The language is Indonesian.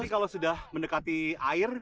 tapi kalau sudah mendekati air